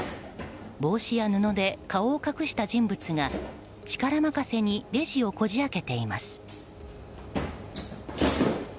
帽子や布で顔を隠した人物が力任せにレジをこじ開けています。